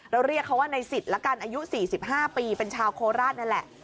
เรียกเขาว่าในสิทธิ์ละกันอายุ๔๕ปีเป็นชาวโคราชนั่นแหละ